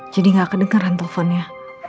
jadi gak kedengeran telfonnya